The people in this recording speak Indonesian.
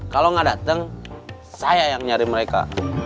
kalau gak dateng saya yang nyari mereka